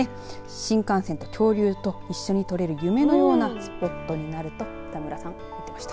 新幹線と恐竜と一緒に撮れる夢のようなスポットになると二村さん言ってました。